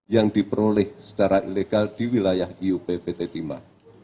yang diperoleh secara ilegal di wilayah iup pt tima